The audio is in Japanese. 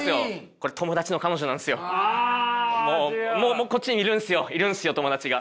もうこっちにいるんですよいるんですよ友達が。